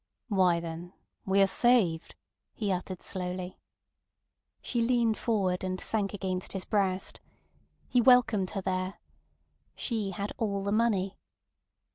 "Why, then—we are saved," he uttered slowly. She leaned forward, and sank against his breast. He welcomed her there. She had all the money.